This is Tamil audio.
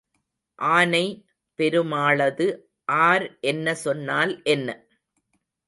ஆனை பெருமாளது ஆர் என்ன சொன்னால் என்ன?